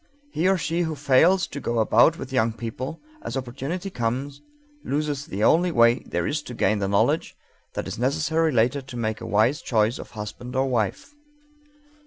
He or she who fails to go about with young people, as opportunity comes, loses the only way there is to gain the knowledge that is necessary later to make a wise choice of husband or wife.